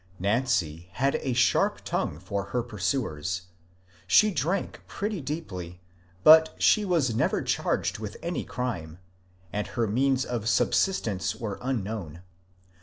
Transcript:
Nancy had a sharp tongue for her pursuers ; she drank pretty deeply ; but she was never charged with any crime, and her means of subsistence were unknown.